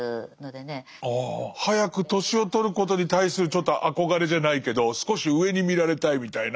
ああ早く年を取ることに対するちょっと憧れじゃないけど少し上に見られたいみたいな。